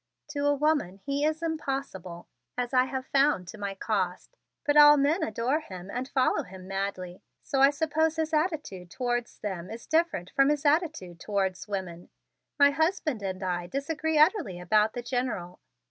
"To a woman he is impossible, as I have found to my cost, but all men adore him and follow him madly, so I suppose his attitude towards them is different from his attitude towards women. My husband and I disagree utterly about the General.